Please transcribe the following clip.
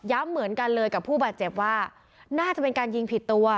เหมือนกันเลยกับผู้บาดเจ็บว่าน่าจะเป็นการยิงผิดตัว